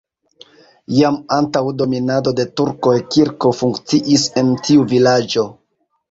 Jam antaŭ dominado de turkoj kirko funkciis en tiu vilaĝo.